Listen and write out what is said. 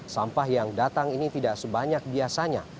sampah yang datang ini tidak sebanyak biasanya